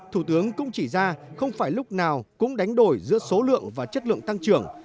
thủ tướng cũng chỉ ra không phải lúc nào cũng đánh đổi giữa số lượng và chất lượng tăng trưởng